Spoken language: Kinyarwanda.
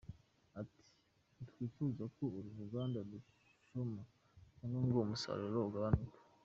Ati“Ntitwifuza ko uru ruganda rushoma, cyangwa ngo umusaruro ugabanuke.